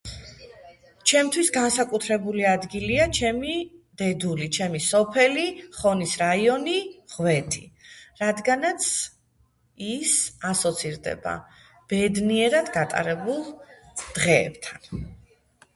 ჩემთვის განსაკუთრებული ადგილია ჩემი დედული ჩემი სოფელი ხონის რაიონი ღვედი რადგანაც ის ასოცირდება ბედნიერად გატარებულ დღეებთან